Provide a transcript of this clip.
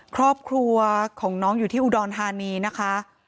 ครอบครัวของน้องอยู่ที่อุดรธานีนะคะ